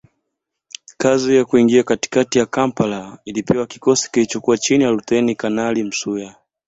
Kazi ya kuingia katikati ya Kampala ilipewa kikosi kilichokuwa chini ya Luteni Kanali Msuya